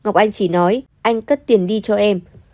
ngọc anh chỉ nói anh cắt tiền đi cho em